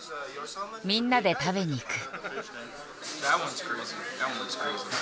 みんなで食べに行く。